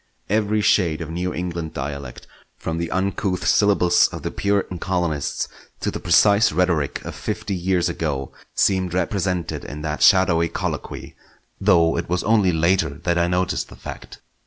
Every shade of New England dialect, from the uncouth syllables of the Puritan colonists to the precise rhetoric of fifty years ago, seemed represented in that shadowy colloquy, though it was only later that I noticed the fact.